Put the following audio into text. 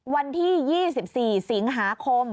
วันที่๒๔สิงหาคม